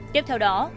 tiếp theo đó